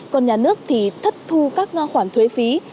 còn nhà nước thì thất thu các khoản thuế phí